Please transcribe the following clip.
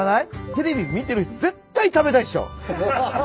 テレビで見てる人絶対食べたいっしょ。